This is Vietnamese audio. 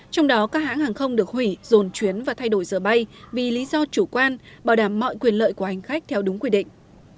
trong đó các hãng hàng không được hủy dồn chuyến và thay đổi giờ bay vì lý do chủ quan bảo đảm mọi quyền lợi của hành khách theo đúng quy định